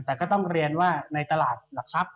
แต่ก็ต้องเรียนว่าในตลาดหรือครับ